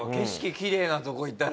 きれいなとこ行ったら。